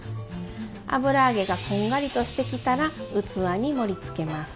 油揚げがこんがりとしてきたら器に盛りつけます。